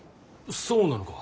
そうなのか？